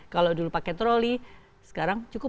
kalau dulu pakai troli sekarang cukup